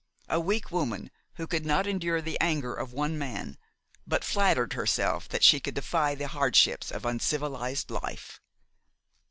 A weak woman, who could not endure the anger of one man, but flattered herself that she could defy the hardships of uncivilized life!